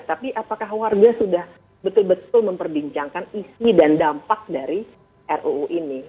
tapi apakah warga sudah betul betul memperbincangkan isi dan dampak dari ruu ini